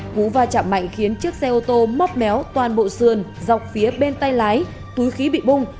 cú va chạm mạnh khiến chiếc xe ô tô móc méo toàn bộ sườn dọc phía bên tay lái túi khí bị bung